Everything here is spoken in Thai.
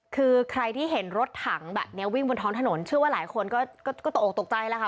คือใครที่เห็นรถถังแบบนี้วิ่งบนท้องถนนเชื่อว่าหลายคนก็ตกออกตกใจแล้วค่ะ